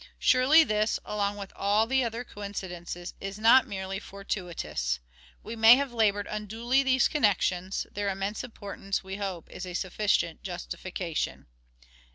Surely this, along with all the other coincidences, is not merely fortuitous. We may Bhave laboured unduly these connections : their immense importance, we hope, is a sufficient justification.